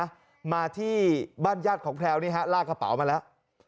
เป็นผู้เสียชีวิตนะมาที่บ้านญาติของแพลวนี่ฮะลากกระเป๋ามาแล้ว